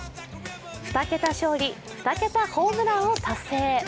２桁勝利・２桁ホームランを達成。